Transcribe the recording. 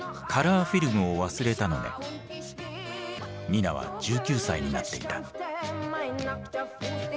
ニナは１９歳になっていた。